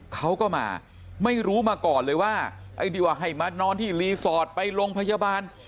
เขาก็มาไม่รู้มาก่อนเลยว่าไอ้ที่ว่าให้มานอนที่รีสอร์ทไปโรงพยาบาล